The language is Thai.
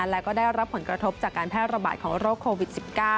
และก็ได้รับผลกระทบจากการแพร่ระบาดของโรคโควิด๑๙